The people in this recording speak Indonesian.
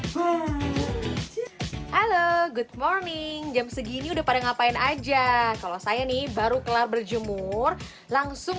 halo halo good morning jam segini udah pada ngapain aja kalau saya nih baru kelar berjemur langsung